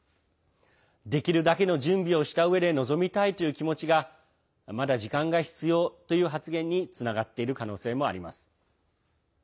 できるだけの準備をしたうえで臨みたいという気持ちがまだ時間が必要という発言につながっている可能性もあります。